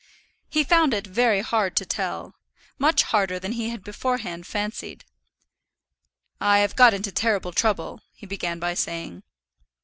He found it very hard to tell; much harder than he had beforehand fancied. "I have got into terrible trouble," he began by saying.